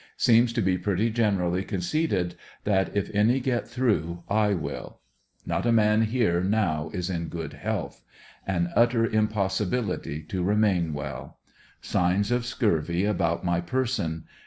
Seems to be pretty generally conceded that if any get through, I will. Not a man here now is in good health An utter impossibility to remain well Signs of scurvy about my per son.